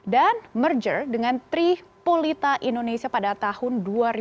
dan merger dengan tripolita indonesia pada tahun dua ribu sebelas